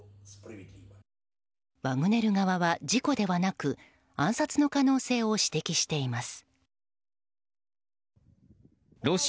ワグネル側は事故ではなく暗殺の可能性を指摘しています。